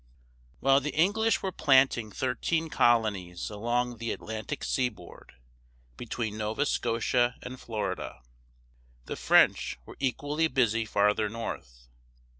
While the English were planting thirteen colonies along the Atlantic seaboard, between Nova Scotia and Florida, the French were equally busy farther north.